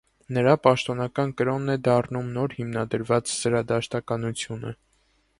Նրա պաշտոնական կրոնն է դառնում նոր հիմնադրված զրադաշտականությունը։